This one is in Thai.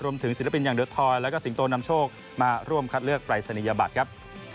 ศิลปินอย่างเดอร์ทอยแล้วก็สิงโตนำโชคมาร่วมคัดเลือกปรายศนียบัตรครับ